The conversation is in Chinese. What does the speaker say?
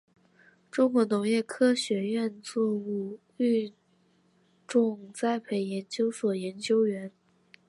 中国农业科学院作物育种栽培研究所研究员。